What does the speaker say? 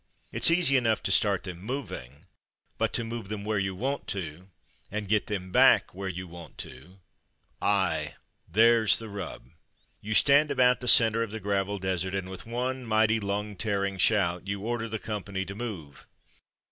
It's easy enough to start them moving, but to move them where you want to, and get them back where you want to, ''aye, there's the rub." You stand about the centre of the gravel desert and, with one mighty lung tearing shout, you order the company to move.